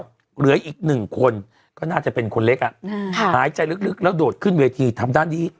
ก็เหลืออีกหนึ่งคนก็น่าจะเป็นคนเล็กหายใจลึกแล้วโดดขึ้นเวทีทำด้านนี้